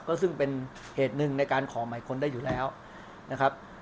ก็ซึ่งเป็นเหตุหนึ่งในการขอหมายค้นได้อยู่แล้วนะครับ